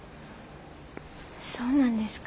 そうなんですか。